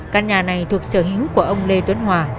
căn nhà này thuộc sở hữu của ông lê tuấn hòa